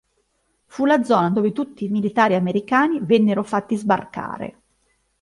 Fu la zona dove tutti i militari americani vennero fatti sbarcare.